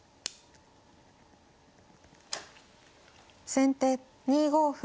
先手２五歩。